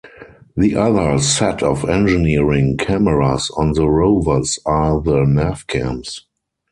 The other set of engineering cameras on the rovers are the navcams.